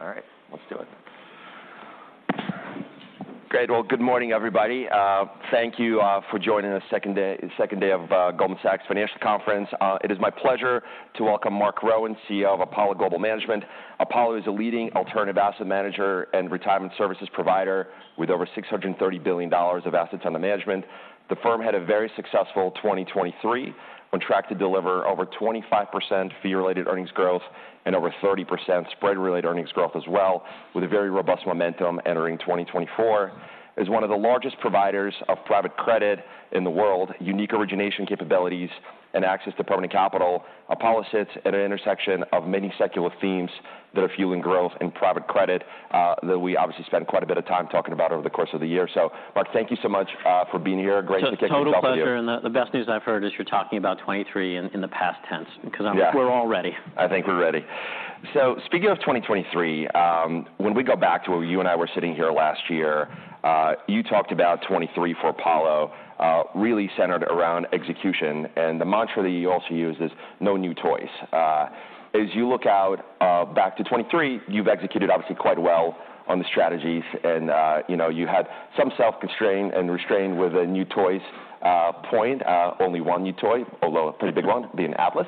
All right, let's do it. Great. Well, good morning, everybody. Thank you for joining us second day, the second day of Goldman Sachs Financial Conference. It is my pleasure to welcome Marc Rowan, CEO of Apollo Global Management. Apollo is a leading alternative asset manager and retirement services provider with over $630 billion of assets under management. The firm had a very successful 2023, on track to deliver over 25% fee-related earnings growth and over 30% spread-related earnings growth as well, with a very robust momentum entering 2024. As one of the largest providers of private credit in the world, unique origination capabilities, and access to permanent capital, Apollo sits at an intersection of many secular themes that are fueling growth in private credit, that we obviously spend quite a bit of time talking about over the course of the year. So, Marc, thank you so much, for being here. Great to kick it off with you. Total pleasure, and the best news I've heard is you're talking about 2023 in the past tense, because- Yeah We're all ready. I think we're ready. So speaking of 2023, when we go back to where you and I were sitting here last year, you talked about 2023 for Apollo, really centered around execution, and the mantra that you also used is "No new toys." As you look out, back to 2023, you've executed obviously quite well on the strategies and, you know, you had some self-constraint and restraint with the new toys point. Only one new toy, although a pretty big one, being Atlas.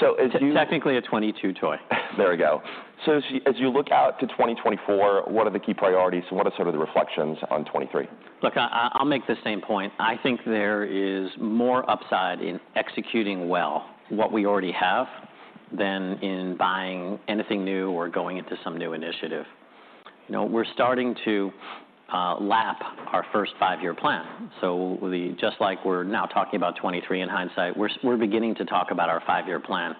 So as you- Technically, a 2022 toy. There we go. So as you look out to 2024, what are the key priorities and what are sort of the reflections on 2023? Look, I, I'll make the same point. I think there is more upside in executing well what we already have, than in buying anything new or going into some new initiative. You know, we're starting to lap our first five-year plan, so the... Just like we're now talking about 2023 in hindsight, we're, we're beginning to talk about our five-year plan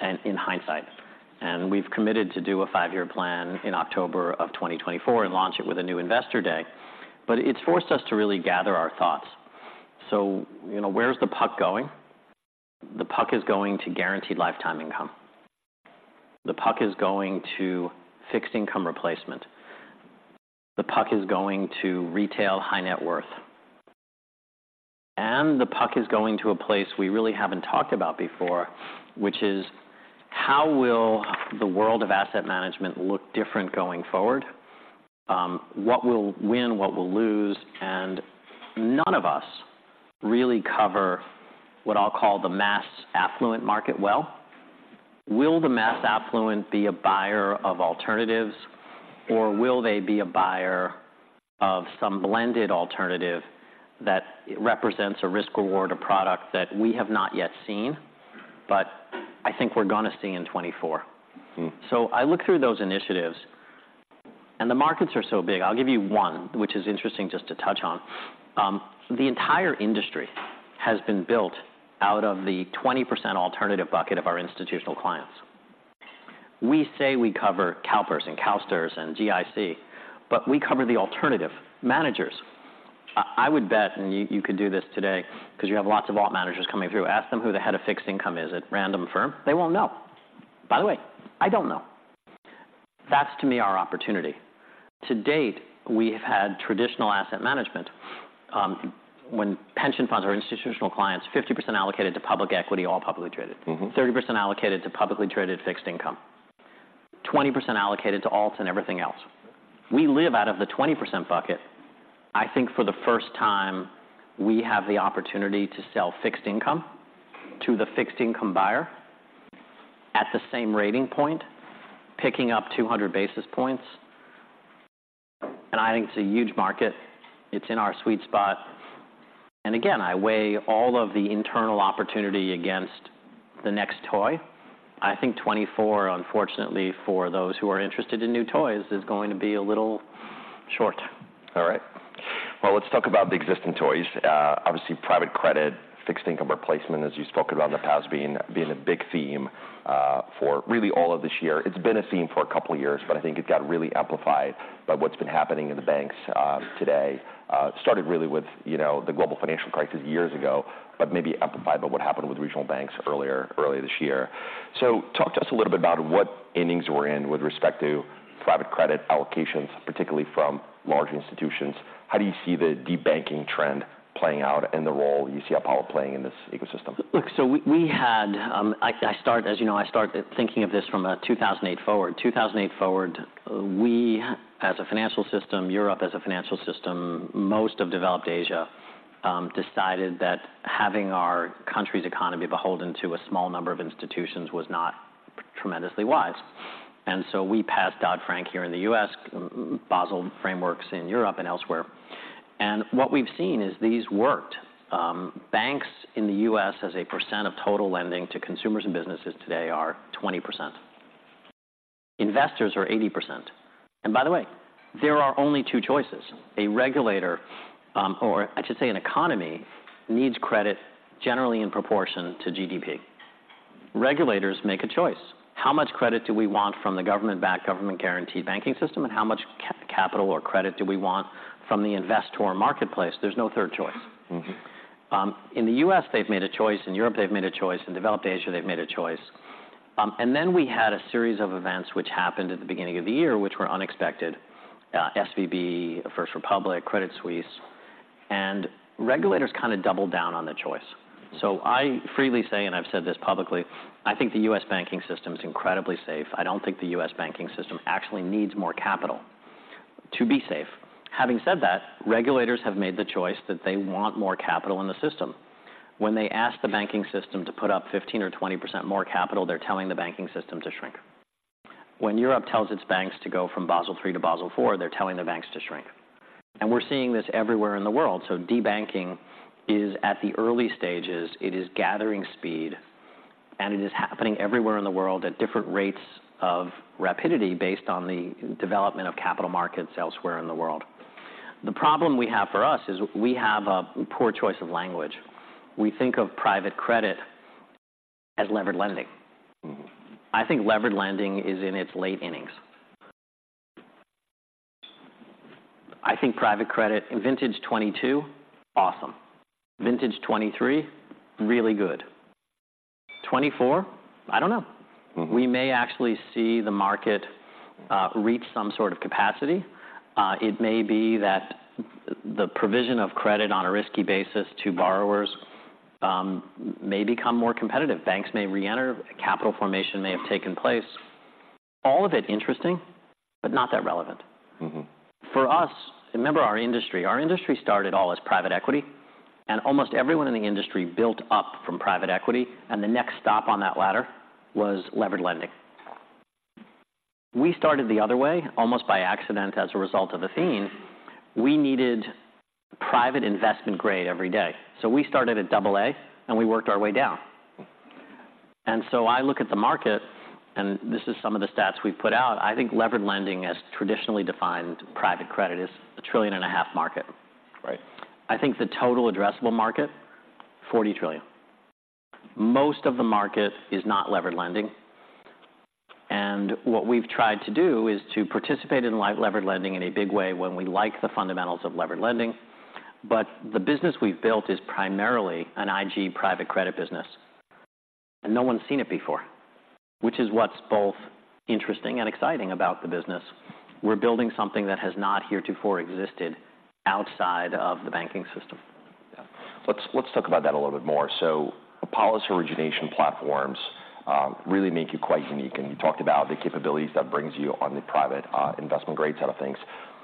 and in hindsight. And we've committed to do a five-year plan in October of 2024 and launch it with a new investor day, but it's forced us to really gather our thoughts. So, you know, where's the puck going? The puck is going to guaranteed lifetime income. The puck is going to fixed income replacement. The puck is going to retail high net worth, and the puck is going to a place we really haven't talked about before, which is: How will the world of asset management look different going forward? What we'll win, what we'll lose, and none of us really cover what I'll call the mass affluent market well. Will the mass affluent be a buyer of alternatives, or will they be a buyer of some blended alternative that represents a risk-reward, a product that we have not yet seen, but I think we're gonna see in 2024? Mm-hmm. So I look through those initiatives, and the markets are so big. I'll give you one, which is interesting just to touch on. The entire industry has been built out of the 20% alternative bucket of our institutional clients. We say we cover CalPERS and CalSTRS and GIC, but we cover the alternative managers. I, I would bet, and you, you could do this today because you have lots of alt managers coming through. Ask them who the head of fixed income is at random firm. They won't know. By the way, I don't know. That's, to me, our opportunity. To date, we have had traditional asset management, when pension funds or institutional clients, 50% allocated to public equity, all publicly traded. Mm-hmm. 30% allocated to publicly traded fixed income, 20% allocated to alts and everything else. We live out of the 20% bucket. I think for the first time, we have the opportunity to sell fixed income to the fixed income buyer at the same rating point, picking up 200 basis points, and I think it's a huge market. It's in our sweet spot, and again, I weigh all of the internal opportunity against the next toy. I think 2024, unfortunately, for those who are interested in new toys, is going to be a little short. All right. Well, let's talk about the existing toys. Obviously, private credit, fixed income replacement, as you spoke about in the past, being a big theme for really all of this year. It's been a theme for a couple of years, but I think it got really amplified by what's been happening in the banks today. It started really with, you know, the global financial crisis years ago, but maybe amplified by what happened with regional banks earlier this year. So talk to us a little bit about what innings we're in with respect to private credit allocations, particularly from large institutions. How do you see the de-banking trend playing out and the role you see Apollo playing in this ecosystem? Look, so as you know, I start thinking of this from 2008 forward. 2008 forward, we as a financial system, Europe as a financial system, most of developed Asia, decided that having our country's economy beholden to a small number of institutions was not tremendously wise, and so we passed Dodd-Frank here in the U.S., Basel frameworks in Europe and elsewhere, and what we've seen is these worked. Banks in the U.S., as a percent of total lending to consumers and businesses today, are 20%. Investors are 80%. And by the way, there are only two choices: A regulator, or I should say an economy, needs credit generally in proportion to GDP. Regulators make a choice. How much credit do we want from the government-backed, government-guaranteed banking system, and how much capital or credit do we want from the investor or marketplace? There's no third choice. Mm-hmm. In the U.S., they've made a choice. In Europe, they've made a choice. In developed Asia, they've made a choice. And then we had a series of events which happened at the beginning of the year, which were unexpected: SVB, First Republic, Credit Suisse. And regulators kind of doubled down on the choice. So I freely say, and I've said this publicly: I think the U.S. banking system is incredibly safe. I don't think the U.S. banking system actually needs more capital to be safe. Having said that, regulators have made the choice that they want more capital in the system. When they ask the banking system to put up 15 or 20% more capital, they're telling the banking system to shrink. When Europe tells its banks to go from Basel III to Basel IV, they're telling the banks to shrink, and we're seeing this everywhere in the world. So debanking is at the early stages. It is gathering speed, and it is happening everywhere in the world at different rates of rapidity based on the development of capital markets elsewhere in the world. The problem we have for us is we have a poor choice of language. We think of private credit as levered lending. Mm-hmm. I think levered lending is in its late innings. I think private credit in vintage 2022, awesome. Vintage 2023, really good. 2024, I don't know. Mm-hmm. We may actually see the market reach some sort of capacity. It may be that the provision of credit on a risky basis to borrowers may become more competitive. Banks may reenter, capital formation may have taken place. All of it interesting, but not that relevant. Mm-hmm. For us, remember our industry. Our industry started all as private equity, and almost everyone in the industry built up from private equity, and the next stop on that ladder was levered lending. We started the other way, almost by accident, as a result of a theme. We needed private investment grade every day. So we started at double A, and we worked our way down. And so I look at the market, and this is some of the stats we've put out. I think levered lending, as traditionally defined private credit, is a $1.5 trillion market. Right. I think the total addressable market, $40 trillion. Most of the market is not levered lending, and what we've tried to do is to participate in levered lending in a big way when we like the fundamentals of levered lending. But the business we've built is primarily an IG private credit business, and no one's seen it before, which is what's both interesting and exciting about the business. We're building something that has not heretofore existed outside of the banking system. Yeah. Let's talk about that a little bit more. So Apollo's origination platforms really make you quite unique, and you talked about the capabilities that brings you on the private investment grade side of things.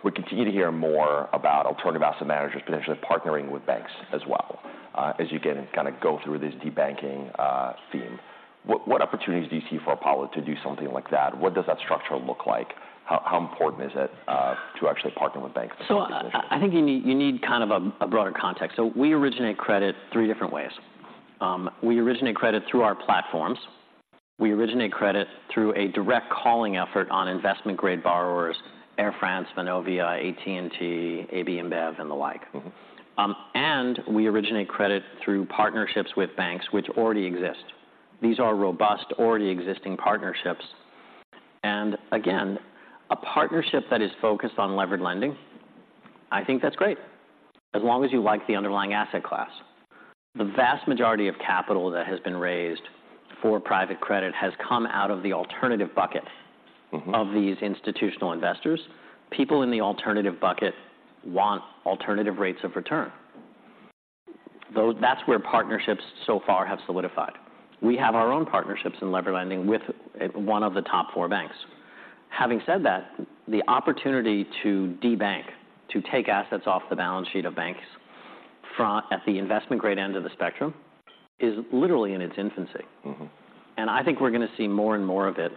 We continue to hear more about alternative asset managers potentially partnering with banks as well, as you again, kind of go through this debanking theme. What opportunities do you see for Apollo to do something like that? What does that structure look like? How important is it to actually partner with banks? So I think you need kind of a broader context. So we originate credit three different ways. We originate credit through our platforms. We originate credit through a direct calling effort on investment grade borrowers, Air France, Vonovia, AT&T, AB InBev, and the like. Mm-hmm. And we originate credit through partnerships with banks which already exist. These are robust, already existing partnerships. And again, a partnership that is focused on levered lending, I think that's great, as long as you like the underlying asset class. The vast majority of capital that has been raised for private credit has come out of the alternative bucket- Mm-hmm... of these institutional investors. People in the alternative bucket want alternative rates of return. Though, that's where partnerships so far have solidified. We have our own partnerships in levered lending with one of the top four banks. Having said that, the opportunity to debank, to take assets off the balance sheet of banks at the investment grade end of the spectrum, is literally in its infancy. Mm-hmm. I think we're gonna see more and more of it.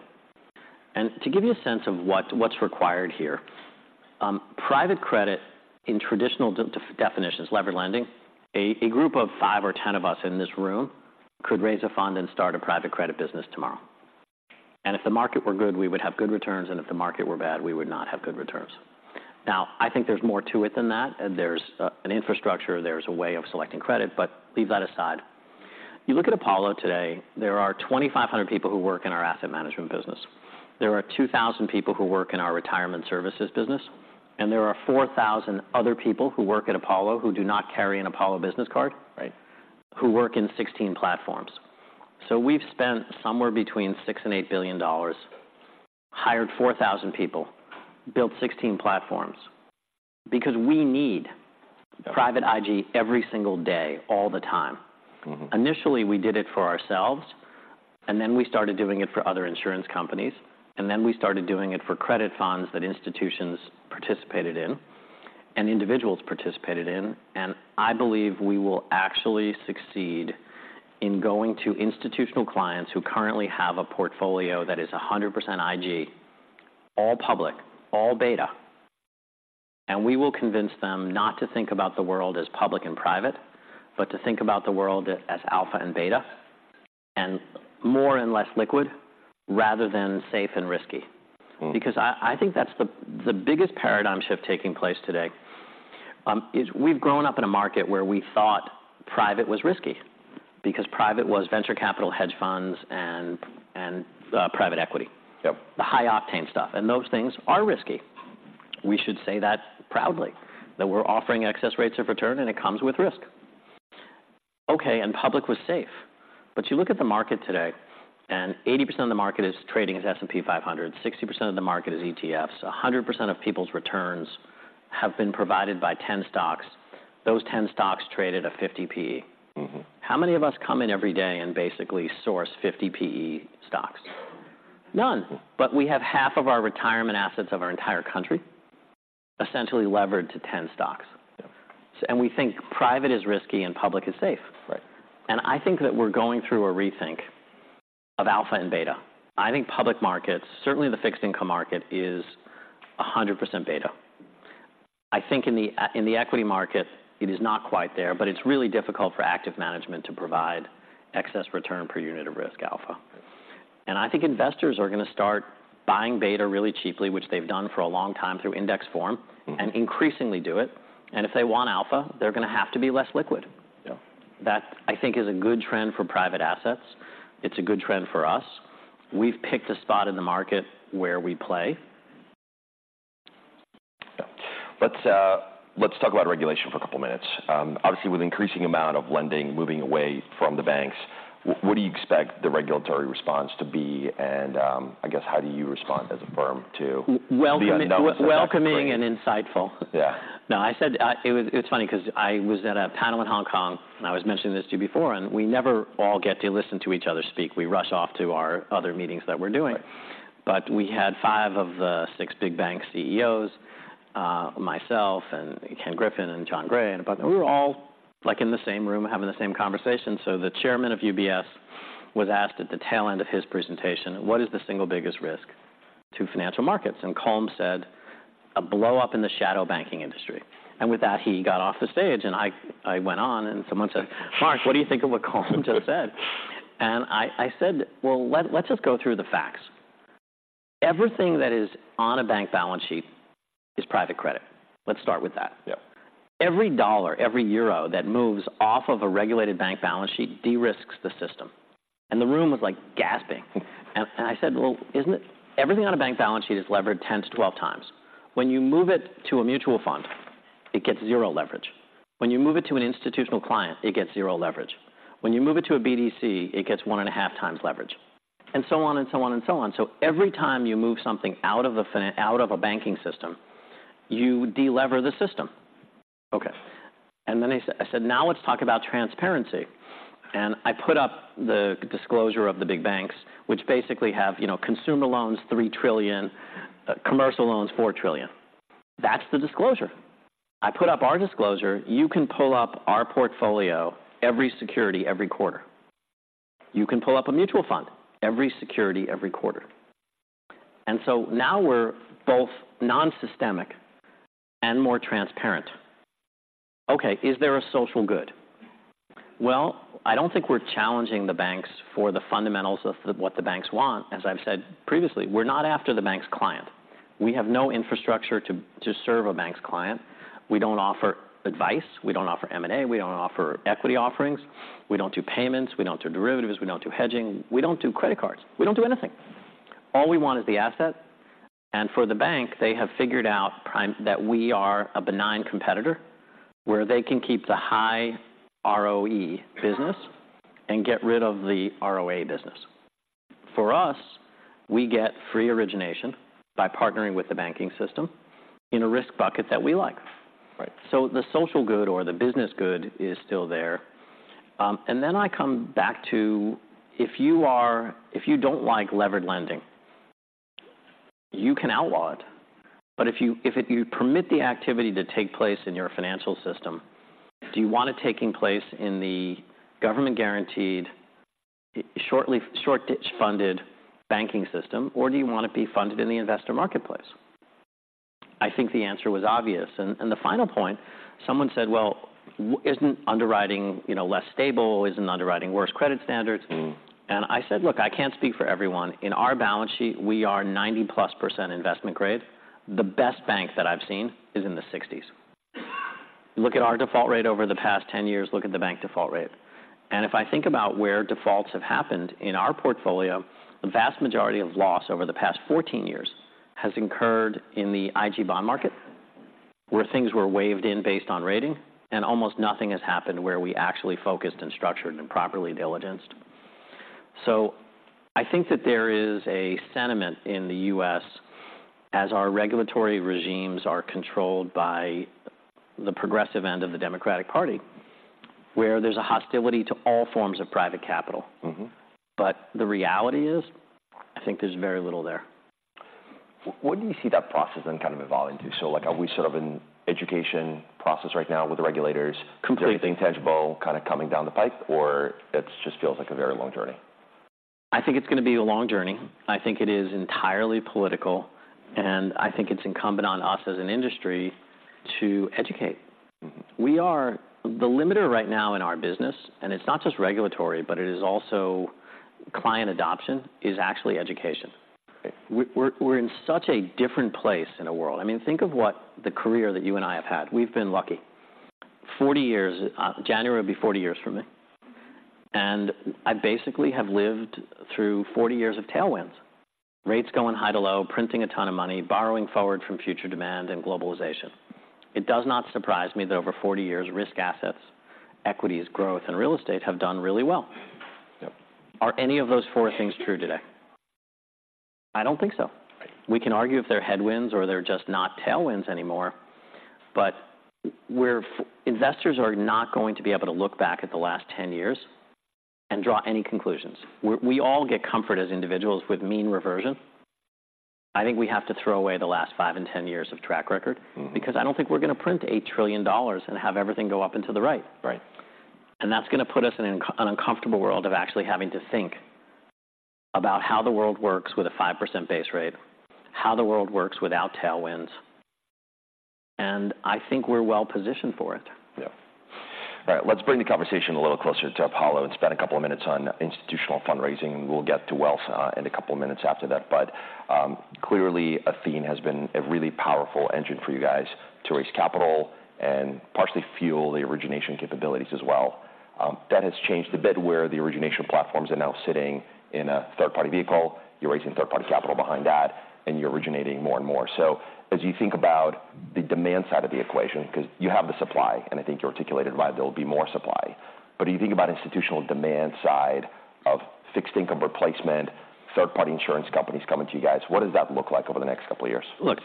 To give you a sense of what's required here, private credit in traditional definitions, levered lending, a group of five or 10 of us in this room could raise a fund and start a private credit business tomorrow. And if the market were good, we would have good returns, and if the market were bad, we would not have good returns. Now, I think there's more to it than that. There's an infrastructure, there's a way of selecting credit, but leave that aside. You look at Apollo today, there are 2,500 people who work in our asset management business. There are 2,000 people who work in our retirement services business, and there are 4,000 other people who work at Apollo, who do not carry an Apollo business card- Right ... who work in 16 platforms. So we've spent somewhere between $6-8 billion, hired 4,000 people, built 16 platforms because we need private IG every single day, all the time. Mm-hmm. Initially, we did it for ourselves, and then we started doing it for other insurance companies, and then we started doing it for credit funds that institutions participated in and individuals participated in. And I believe we will actually succeed in going to institutional clients who currently have a portfolio that is 100% IG, all public, all beta, and we will convince them not to think about the world as public and private, but to think about the world as alpha and beta, and more and less liquid, rather than safe and risky. Mm. Because I think that's the... the biggest paradigm shift taking place today, is we've grown up in a market where we thought private was risky because private was venture capital, hedge funds, and private equity. Yep. The high octane stuff, and those things are risky. We should say that proudly, that we're offering excess rates of return, and it comes with risk.... Okay, and public was safe. But you look at the market today, and 80% of the market is trading as S&P 500, 60% of the market is ETFs. 100% of people's returns have been provided by 10 stocks. Those 10 stocks traded a 50 PE. Mm-hmm. How many of us come in every day and basically source 50 PE stocks? None. But we have half of our retirement assets of our entire country essentially levered to 10 stocks. Yeah. We think private is risky and public is safe. Right. I think that we're going through a rethink of alpha and beta. I think public markets, certainly the fixed income market, is 100% beta. I think in the equity market, it is not quite there, but it's really difficult for active management to provide excess return per unit of risk alpha. I think investors are going to start buying beta really cheaply, which they've done for a long time through index form- Mm-hmm. And increasingly do it. If they want alpha, they're going to have to be less liquid. Yeah. That, I think, is a good trend for private assets. It's a good trend for us. We've picked a spot in the market where we play. Let's talk about regulation for a couple minutes. Obviously, with increasing amount of lending moving away from the banks, what do you expect the regulatory response to be? And, I guess, how do you respond as a firm to- Welcoming- the unknown? Welcoming and insightful. Yeah. No, it's funny 'cause I was at a panel in Hong Kong, and I was mentioning this to you before, and we never all get to listen to each other speak. We rush off to our other meetings that we're doing. Right. But we had five of the six big bank CEOs, myself and Ken Griffin and John Gray, and we were all, like, in the same room, having the same conversation. So the chairman of UBS was asked at the tail end of his presentation: "What is the single biggest risk to financial markets?" And Colm said, "A blow up in the shadow banking industry." And with that, he got off the stage, and I went on, and someone said, "Marc, what do you think of what Colm just said?" And I said, "Well, let's just go through the facts. Everything that is on a bank balance sheet is private credit. Let's start with that. Yeah. Every dollar, every euro that moves off of a regulated bank balance sheet de-risks the system." And the room was, like, gasping. And I said, "Well, isn't it... Everything on a bank balance sheet is levered 10-12 times. When you move it to a mutual fund, it gets zero leverage. When you move it to an institutional client, it gets zero leverage. When you move it to a BDC, it gets 1.5 times leverage, and so on, and so on, and so on. So every time you move something out of a banking system, you de-lever the system." Okay, and then I said, "Now let's talk about transparency." And I put up the disclosure of the big banks, which basically have, you know, consumer loans, $3 trillion, commercial loans, 4 trillion. That's the disclosure. I put up our disclosure. You can pull up our portfolio, every security, every quarter. You can pull up a mutual fund, every security, every quarter. And so now we're both nonsystemic and more transparent. Okay, is there a social good? Well, I don't think we're challenging the banks for the fundamentals of what the banks want. As I've said previously, we're not after the bank's client. We have no infrastructure to serve a bank's client. We don't offer advice. We don't offer M&A. We don't offer equity offerings. We don't do payments. We don't do derivatives. We don't do hedging. We don't do credit cards. We don't do anything. All we want is the asset, and for the bank, they have figured out prime, that we are a benign competitor, where they can keep the high ROE business and get rid of the ROA business. For us, we get free origination by partnering with the banking system in a risk bucket that we like. Right. So the social good or the business good is still there. And then I come back to, if you don't like levered lending, you can outlaw it. But if you permit the activity to take place in your financial system, do you want it taking place in the government-guaranteed, short-term deposit-funded banking system, or do you want to be funded in the investor marketplace? I think the answer was obvious. And the final point, someone said: Well, isn't underwriting, you know, less stable? Isn't underwriting worse credit standards? Mm. And I said: Look, I can't speak for everyone. In our balance sheet, we are 90%+ investment grade. The best bank that I've seen is in the 60s. Look at our default rate over the past 10 years. Look at the bank default rate. And if I think about where defaults have happened in our portfolio, the vast majority of loss over the past 14 years has incurred in the IG bond market, where things were waved in based on rating, and almost nothing has happened where we actually focused and structured and properly diligenced. So I think that there is a sentiment in the U.S., as our regulatory regimes are controlled by the progressive end of the Democratic Party, where there's a hostility to all forms of private capital. Mm-hmm. But the reality is, I think there's very little there. What do you see that process then kind of evolving to? So, like, are we sort of in education process right now with the regulators- Complete. Is there anything tangible kinda coming down the pipe, or it just feels like a very long journey? I think it's going to be a long journey. I think it is entirely political, and I think it's incumbent on us as an industry to educate. Mm-hmm. The limiter right now in our business, and it's not just regulatory, but it is also client adoption, is actually education. Right. We're in such a different place in the world. I mean, think of what the career that you and I have had. We've been lucky. 40 years, January will be 40 years for me... and I basically have lived through 40 years of tailwinds. Rates going high to low, printing a ton of money, borrowing forward from future demand, and globalization. It does not surprise me that over 40 years, risk assets, equities, growth, and real estate have done really well. Yep. Are any of those four things true today? I don't think so. Right. We can argue if they're headwinds or they're just not tailwinds anymore, but we're fucking investors are not going to be able to look back at the last 10 years and draw any conclusions. We all get comfort as individuals with mean reversion. I think we have to throw away the last five and 10 years of track record- Mm-hmm. - because I don't think we're going to print $8 trillion and have everything go up into the right. Right. That's going to put us in an uncomfortable world of actually having to think about how the world works with a 5% base rate, how the world works without tailwinds, and I think we're well positioned for it. Yeah. All right, let's bring the conversation a little closer to Apollo and spend a couple of minutes on institutional fundraising, and we'll get to Wells in a couple of minutes after that. But, clearly, Athene has been a really powerful engine for you guys to raise capital and partially fuel the origination capabilities as well. That has changed a bit, where the origination platforms are now sitting in a third-party vehicle. You're raising third-party capital behind that, and you're originating more and more. So as you think about the demand side of the equation, because you have the supply, and I think you articulated why there will be more supply, but as you think about institutional demand side of fixed income replacement, third-party insurance companies coming to you guys, what does that look like over the next couple of years? Look,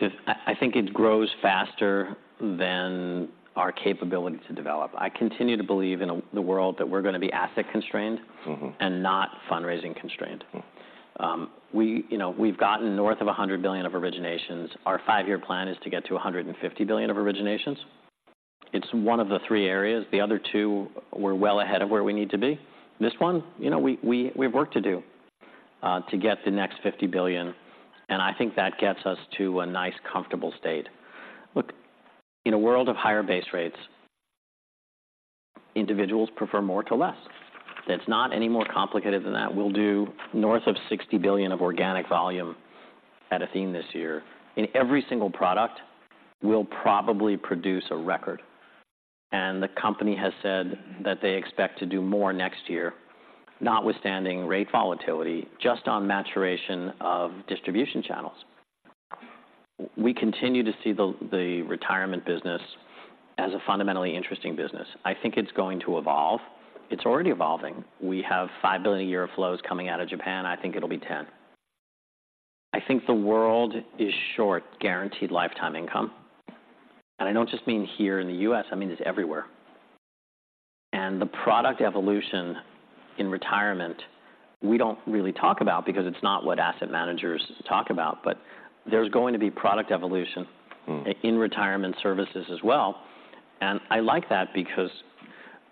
I think it grows faster than our capability to develop. I continue to believe in the world that we're going to be asset constrained- Mm-hmm. and not fundraising constrained. Mm. We, you know, we've gotten north of $100 billion of originations. Our five-year plan is to get to $150 billion of originations. It's one of the three areas. The other two, we're well ahead of where we need to be. This one, you know, we've work to do to get the next $50 billion, and I think that gets us to a nice, comfortable state. Look, in a world of higher base rates, individuals prefer more to less. It's not any more complicated than that. We'll do north of $60 billion of organic volume at Athene this year. In every single product, we'll probably produce a record, and the company has said that they expect to do more next year, notwithstanding rate volatility, just on maturation of distribution channels. We continue to see the retirement business as a fundamentally interesting business. I think it's going to evolve. It's already evolving. We have $5 billion a year of flows coming out of Japan. I think it'll be $10 billion. I think the world is short guaranteed lifetime income, and I don't just mean here in the U.S., I mean this everywhere. And the product evolution in retirement, we don't really talk about because it's not what asset managers talk about, but there's going to be product evolution- Mm. in retirement services as well, and I like that because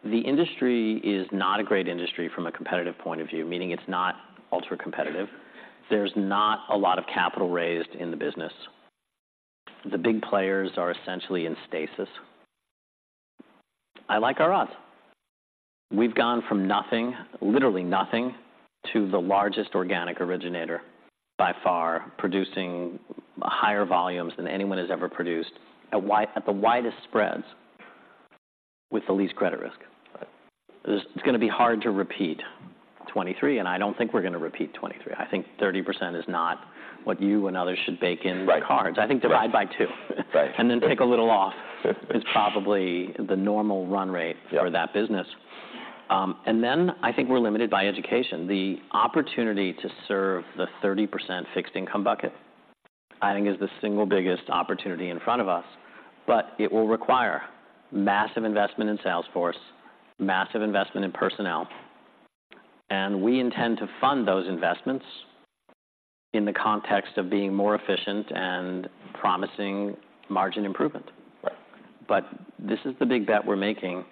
the industry is not a great industry from a competitive point of view, meaning it's not ultra-competitive. There's not a lot of capital raised in the business. The big players are essentially in stasis. I like our odds. We've gone from nothing, literally nothing, to the largest organic originator by far, producing higher volumes than anyone has ever produced, at the widest spreads with the least credit risk. Right. It's going to be hard to repeat 2023, and I don't think we're going to repeat 2023. I think 30% is not what you and others should bake in their cards. Right. I think divide by 2. Right. And then take a little off is probably the normal run rate. Yeah - for that business. And then I think we're limited by education. The opportunity to serve the 30% fixed income bucket, I think, is the single biggest opportunity in front of us, but it will require massive investment in sales force, massive investment in personnel, and we intend to fund those investments in the context of being more efficient and promising margin improvement. Right. But this is the big bet we're making,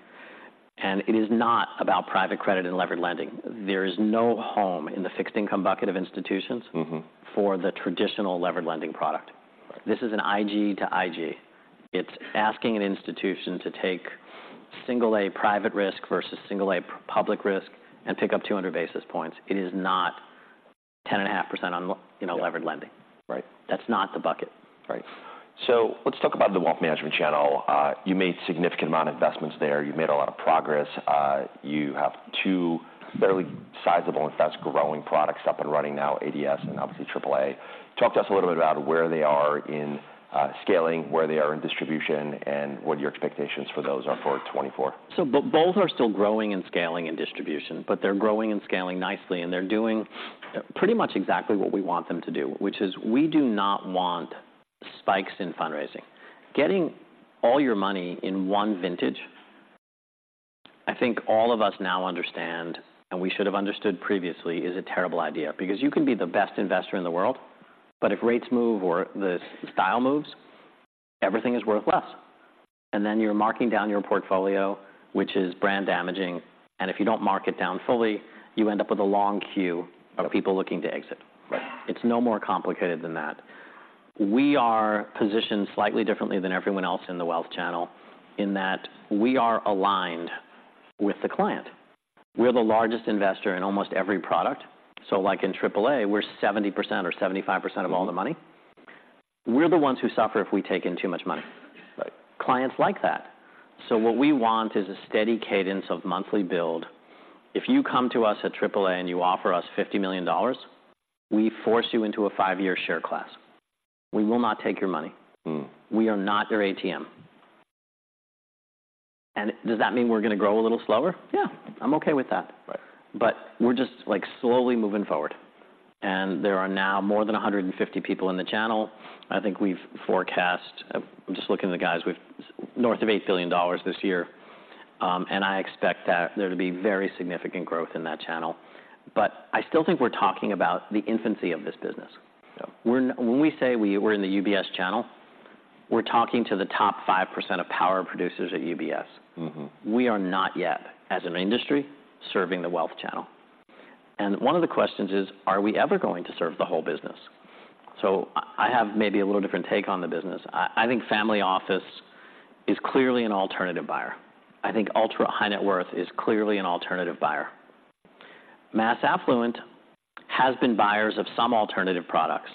and it is not about private credit and leveraged lending. There is no home in the fixed income bucket of institutions- Mm-hmm. - for the traditional levered lending product. Right. This is an IG to IG. It's asking an institution to take single A private risk versus single A public risk and pick up 200 basis points. It is not 10.5% on, you know, levered lending. Right. That's not the bucket. Right. So let's talk about the wealth management channel. You made significant amount of investments there. You've made a lot of progress. You have two fairly sizable and fast-growing products up and running now, ADS and obviously AAA. Talk to us a little bit about where they are in scaling, where they are in distribution, and what your expectations for those are for 2024. So both are still growing and scaling in distribution, but they're growing and scaling nicely, and they're doing pretty much exactly what we want them to do, which is we do not want spikes in fundraising. Getting all your money in one vintage, I think all of us now understand, and we should have understood previously, is a terrible idea. Because you can be the best investor in the world, but if rates move or the style moves, everything is worth less, and then you're marking down your portfolio, which is brand damaging, and if you don't mark it down fully, you end up with a long queue- Right... of people looking to exit. Right. It's no more complicated than that. We are positioned slightly differently than everyone else in the wealth channel, in that we are aligned with the client. We're the largest investor in almost every product, so like in AAA, we're 70% or 75% of all the money.... We're the ones who suffer if we take in too much money. Right. Clients like that. So what we want is a steady cadence of monthly build. If you come to us at AAA and you offer us $50 million, we force you into a five-year share class. We will not take your money. Mm. We are not your ATM. Does that mean we're gonna grow a little slower? Yeah, I'm okay with that. Right. But we're just, like, slowly moving forward, and there are now more than 150 people in the channel. I think we've forecast, I'm just looking at the guys, we've north of $8 billion this year, and I expect that there to be very significant growth in that channel. But I still think we're talking about the infancy of this business. Yeah. When we say we're in the UBS channel, we're talking to the top 5% of power producers at UBS. Mm-hmm. We are not yet, as an industry, serving the wealth channel, and one of the questions is: Are we ever going to serve the whole business? So I have maybe a little different take on the business. I think family office is clearly an alternative buyer. I think ultra-high net worth is clearly an alternative buyer. Mass affluent has been buyers of some alternative products,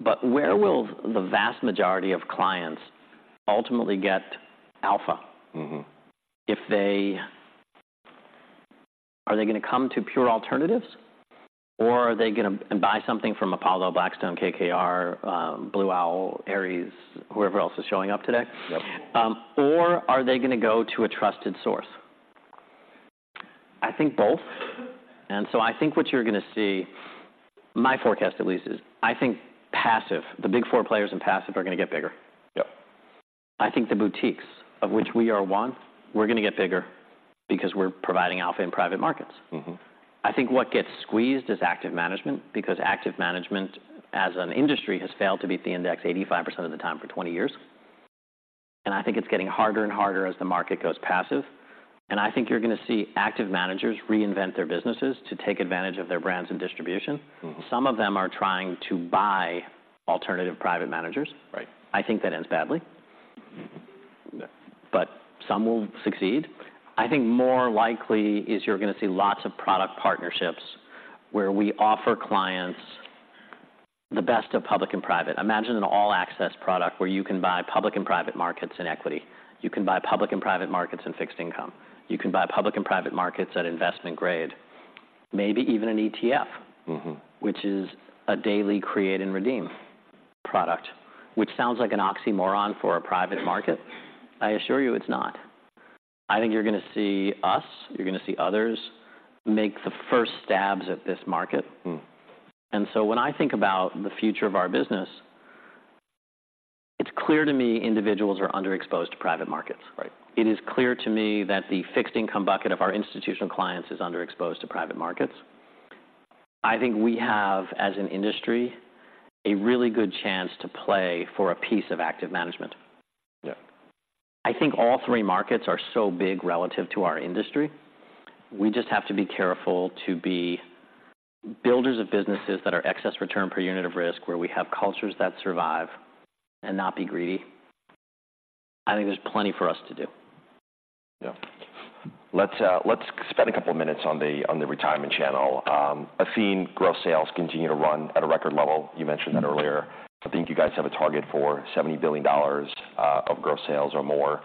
but where will the vast majority of clients ultimately get Alpha? Mm-hmm. If they... are they gonna come to pure alternatives, or are they gonna buy something from Apollo, Blackstone, KKR, Blue Owl, Ares, whoever else is showing up today? Yep. Or are they gonna go to a trusted source? I think both. And so I think what you're gonna see, my forecast at least, is I think passive, the big four players in passive, are gonna get bigger. Yep. I think the boutiques, of which we are one, we're gonna get bigger because we're providing Alpha in private markets. Mm-hmm. I think what gets squeezed is active management, because active management, as an industry, has failed to beat the index 85% of the time for 20 years, and I think it's getting harder and harder as the market goes passive. I think you're gonna see active managers reinvent their businesses to take advantage of their brands and distribution. Mm-hmm. Some of them are trying to buy alternative private managers. Right. I think that ends badly. Yeah. But some will succeed. I think more likely is you're gonna see lots of product partnerships where we offer clients the best of public and private. Imagine an all-access product where you can buy public and private markets in equity. You can buy public and private markets in fixed income. You can buy public and private markets at investment grade, maybe even an ETF- Mm-hmm... which is a daily create and redeem product, which sounds like an oxymoron for a private market. I assure you it's not. I think you're gonna see us, you're gonna see others, make the first stabs at this market. Mm. When I think about the future of our business, it's clear to me individuals are underexposed to private markets. Right. It is clear to me that the fixed income bucket of our institutional clients is underexposed to private markets. I think we have, as an industry, a really good chance to play for a piece of active management. Yeah. I think all three markets are so big relative to our industry. We just have to be careful to be builders of businesses that are excess return per unit of risk, where we have cultures that survive and not be greedy. I think there's plenty for us to do. Yeah. Let's spend a couple minutes on the retirement channel. Athene gross sales continue to run at a record level. You mentioned that earlier. I think you guys have a target for $70 billion of gross sales or more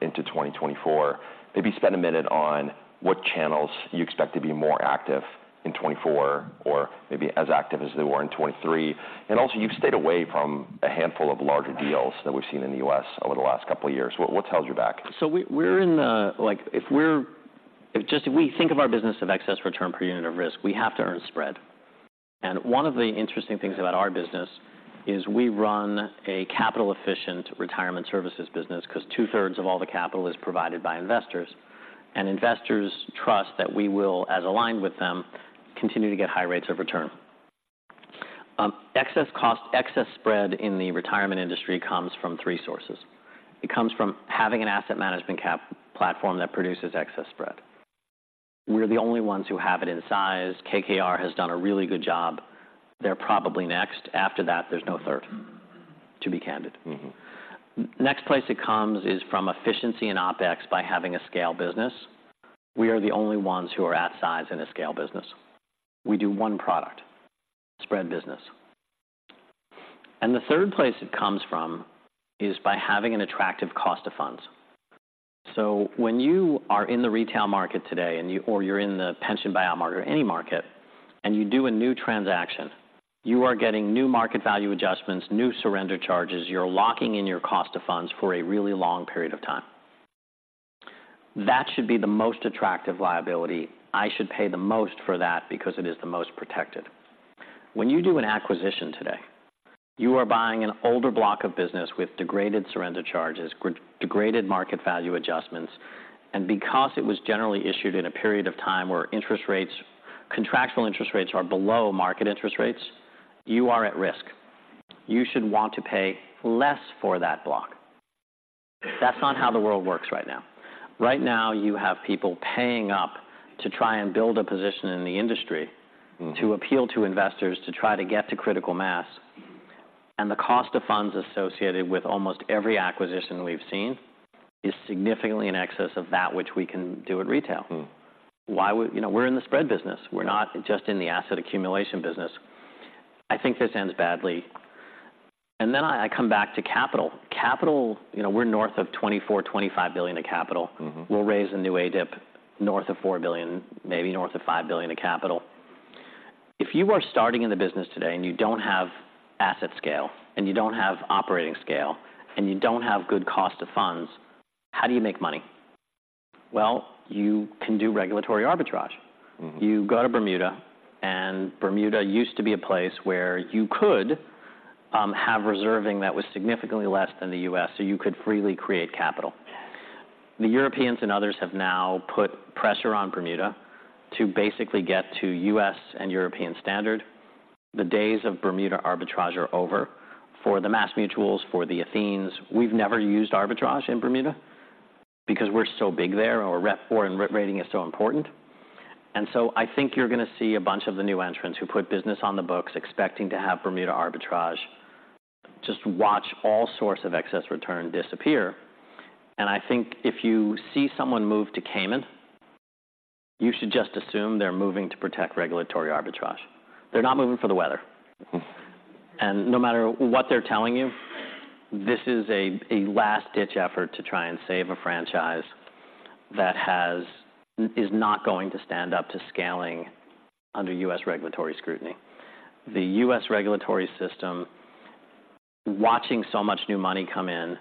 into 2024. Maybe spend a minute on what channels you expect to be more active in 2024, or maybe as active as they were in 2023. And also, you've stayed away from a handful of larger deals that we've seen in the U.S. over the last couple of years. What held you back? So we're in, like, if we just think of our business of excess return per unit of risk, we have to earn spread. Sure. One of the interesting things about our business is we run a capital-efficient retirement services business because two-thirds of all the capital is provided by investors, and investors trust that we will, as aligned with them, continue to get high rates of return. Excess spread in the retirement industry comes from three sources. It comes from having an asset management cap platform that produces excess spread. We're the only ones who have it in size. KKR has done a really good job. They're probably next. After that, there's no third, to be candid. Mm-hmm. Next place it comes is from efficiency and OpEx by having a scale business. We are the only ones who are at size in a scale business. We do one product: spread business. And the third place it comes from is by having an attractive cost of funds. So when you are in the retail market today or you're in the pension buyout market or any market, and you do a new transaction, you are getting new market value adjustments, new surrender charges. You're locking in your cost of funds for a really long period of time. That should be the most attractive liability. I should pay the most for that because it is the most protected. When you do an acquisition today, you are buying an older block of business with degraded surrender charges, degraded market value adjustments, and because it was generally issued in a period of time where interest rates, contractual interest rates are below market interest rates, you are at risk. You should want to pay less for that block. That's not how the world works right now. Right now, you have people paying up to try and build a position in the industry- Mm... to appeal to investors, to try to get to critical mass, and the cost of funds associated with almost every acquisition we've seen is significantly in excess of that which we can do at retail. Mm-hmm. You know, we're in the spread business. Yeah. We're not just in the asset accumulation business. I think this ends badly. Then I come back to capital. Capital, you know, we're north of $24-25 billion in capital. Mm-hmm. We'll raise a new ADIP north of $4 billion, maybe north of $5 billion in capital. If you are starting in the business today, and you don't have asset scale, and you don't have operating scale, and you don't have good cost of funds, how do you make money? Well, you can do regulatory arbitrage. Mm-hmm. You go to Bermuda, and Bermuda used to be a place where you could have reserving that was significantly less than the U.S., so you could freely create capital. The Europeans and others have now put pressure on Bermuda to basically get to U.S. and European standard. The days of Bermuda arbitrage are over. For the MassMutuals, for the Athenes, we've never used arbitrage in Bermuda because we're so big there, and our rep for and re- rating is so important. And so I think you're going to see a bunch of the new entrants who put business on the books expecting to have Bermuda arbitrage, just watch all sorts of excess return disappear. And I think if you see someone move to Cayman, you should just assume they're moving to protect regulatory arbitrage. They're not moving for the weather. Mm. And no matter what they're telling you, this is a last-ditch effort to try and save a franchise that has... is not going to stand up to scaling under U.S. regulatory scrutiny. The U.S. regulatory system, watching so much new money come in,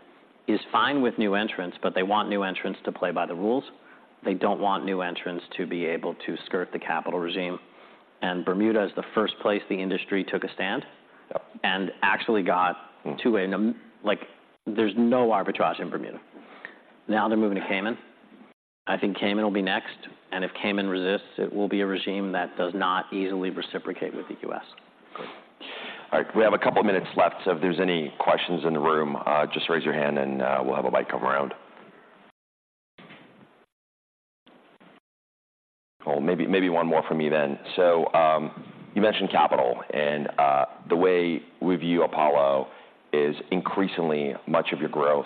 is fine with new entrants, but they want new entrants to play by the rules. They don't want new entrants to be able to skirt the capital regime, and Bermuda is the first place the industry took a stand- Yep... and actually got- Mm Like, there's no arbitrage in Bermuda. Now they're moving to Cayman. I think Cayman will be next, and if Cayman resists, it will be a regime that does not easily reciprocate with the U.S. Good. All right, we have a couple of minutes left, so if there's any questions in the room, just raise your hand and we'll have a mic come around. Well, maybe, maybe one more from me then. So, you mentioned capital, and the way we view Apollo is increasingly much of your growth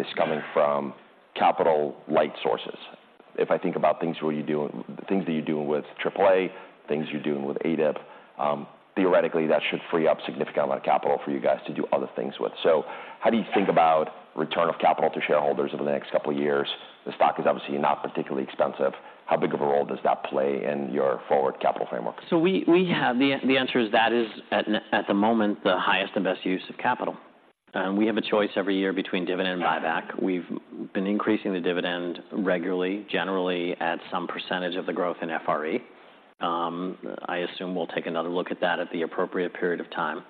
is coming from capital light sources. If I think about things where you're doing... things that you're doing with AAA, things you're doing with ADIP, theoretically, that should free up a significant amount of capital for you guys to do other things with. So how do you think about return of capital to shareholders over the next couple of years? The stock is obviously not particularly expensive. How big of a role does that play in your forward capital framework? So, the answer is that, at the moment, the highest and best use of capital. We have a choice every year between dividend and buyback. We've been increasing the dividend regularly, generally at some percentage of the growth in FRE. I assume we'll take another look at that at the appropriate period of time.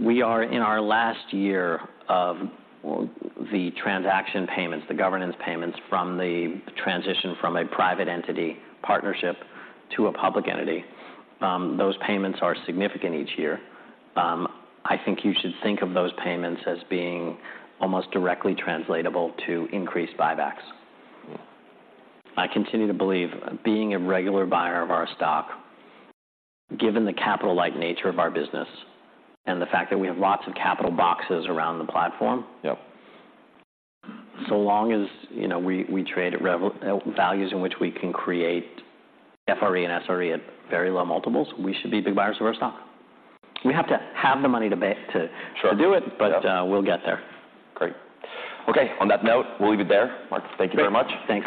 We are in our last year of the transaction payments, the governance payments from the transition from a private entity partnership to a public entity. Those payments are significant each year. I think you should think of those payments as being almost directly translatable to increased buybacks. Mm. I continue to believe, being a regular buyer of our stock, given the capital light nature of our business and the fact that we have lots of capital boxes around the platform- Yep. So long as, you know, we trade at rev- values in which we can create FRE and SRE at very low multiples, we should be big buyers of our stock. We have to have the money to ba- to- Sure - to do it, but, we'll get there. Great. Okay, on that note, we'll leave it there. Marc, thank you very much. Thanks.